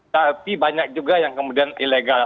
tapi banyak juga yang kemudian ilegal